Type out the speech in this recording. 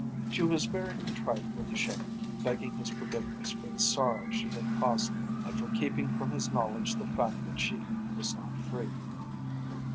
She was very contrite with the Sheik, begging his forgiveness for the sorrow she had caused him and for keeping from his knowledge the fact that she was not free.